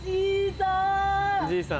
じいさん！